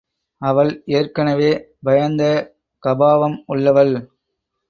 அவள் ஏற்கனவே பயந்த கபாவம் உள்ளவள்.